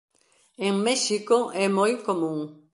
En México é moi común.